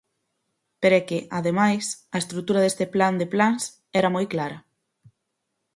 Pero é que, ademais, a estrutura deste plan de plans era moi clara.